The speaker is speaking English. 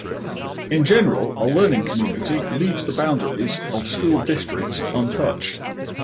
In general, a learning community leaves the boundaries of school districts untouched.